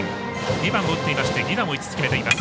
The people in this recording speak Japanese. ２番を打っていまして犠打も５つ決めています。